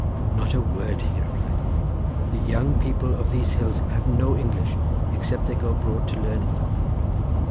"Not a word," he replied. "The young people of these hills have no English, except they go abroad to learn it."